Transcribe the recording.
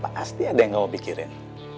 pasti ada yang gak mau pikirin